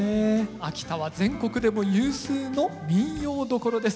秋田は全国でも有数の民謡どころです。